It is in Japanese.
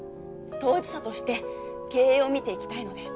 当事者として経営を見ていきたいので。